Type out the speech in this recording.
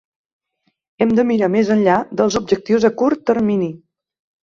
Hem de mirar més enllà dels objectius a curt termini.